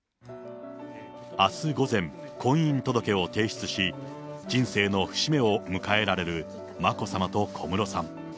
あす午前、婚姻届を提出し、人生の節目を迎えられる眞子さまと小室さん。